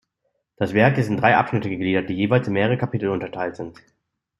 Das Werk ist in drei Abschnitte gegliedert, die jeweils in mehrere Kapitel unterteilt sind.